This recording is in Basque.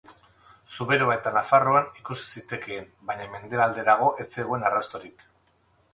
Zuberoa eta Nafarroan ikus zitekeen, baina mendebalderago ez zegoen arrastorik.